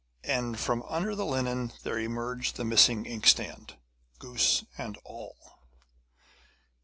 And from under the linen there emerged the missing inkstand, goose and all!